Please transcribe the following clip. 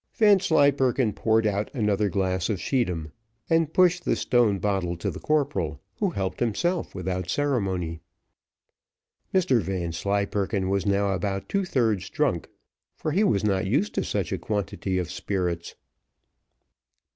Vanslyperken poured out another glass of scheedam, and pushed the stone bottle to the corporal, who helped himself without ceremony. Mr Vanslyperken was now about two thirds drunk, for he was not used to such a quantity of spirits.